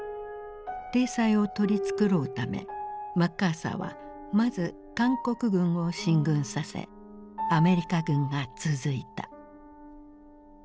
体裁を取り繕うためマッカーサーはまず韓国軍を進軍させアメリカ軍が続いた。